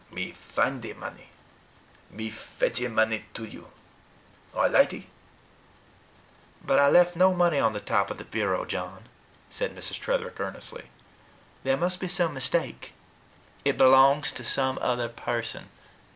Me findee money. Me fetchee money to you. All lightee." "But I left no money on the top of the bureau, John," said Mrs. Tretherick earnestly. "There must be some mistake. It belongs to some other person.